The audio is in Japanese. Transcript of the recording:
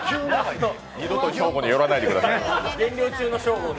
二度とショーゴに寄らないでください。